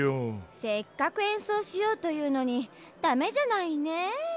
せっかくえんそうしようというのに駄目じゃないねえ。